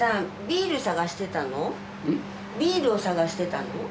ビールを探してたの？